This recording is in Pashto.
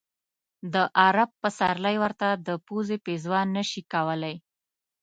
د عرب پسرلی ورته د پزې پېزوان نه شي کولای.